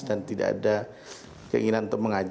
dan tidak ada keinginan